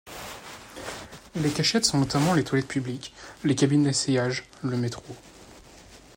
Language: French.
Les cachettes sont notamment les toilettes publiques, les cabines d'essayage, le métro.